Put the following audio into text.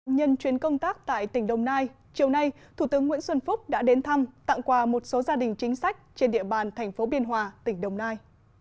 nhân chuyến công tác tại tỉnh đồng nai chiều nay thủ tướng nguyễn xuân phúc đã đến thăm tặng quà một số gia đình chính sách trên địa bàn thành phố biên hòa tỉnh đồng nai